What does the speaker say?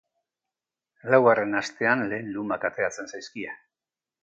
Laugarren astean lehen lumak ateratzen zaizkie.